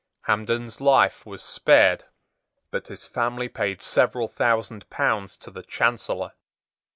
Hampden's life was spared; but his family paid several thousand pounds to the Chancellor.